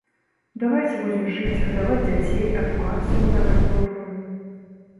Давайце будзем жыць, гадаваць дзяцей, адукацыю ім даваць добрую.